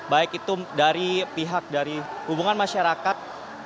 baik itu dari pihak dari hubungan masyarakat